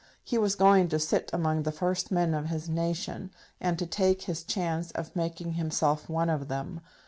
He was going to sit among the first men of his nation, and to take his chance of making himself one of them.